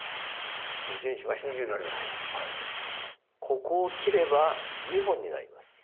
ここを切れば２本になります。